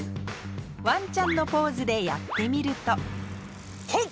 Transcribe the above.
ワンちゃんのポーズでやってみるとホッ！